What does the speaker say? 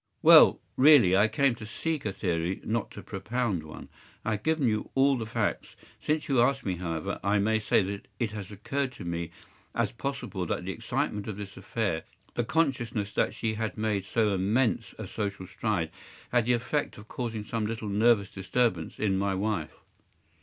” “Well, really, I came to seek a theory, not to propound one. I have given you all the facts. Since you ask me, however, I may say that it has occurred to me as possible that the excitement of this affair, the consciousness that she had made so immense a social stride, had the effect of causing some little nervous disturbance in my wife.